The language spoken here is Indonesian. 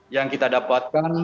yang kita dapatkan